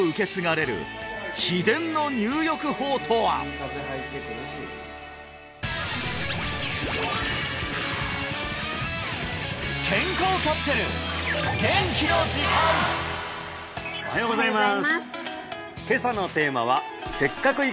さらにおはようございます